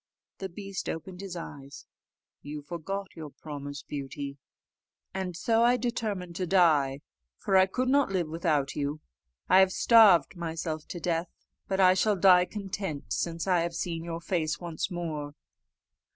The beast opened his eyes: "You forgot your promise, Beauty, and so I determined to die; for I could not live without you. I have starved myself to death, but I shall die content since I have seen your face once more."